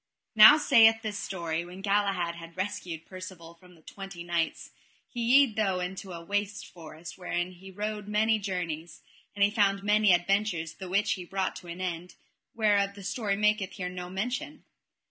Now saith this story, when Galahad had rescued Percivale from the twenty knights, he yede tho into a waste forest wherein he rode many journeys; and he found many adventures the which he brought to an end, whereof the story maketh here no mention.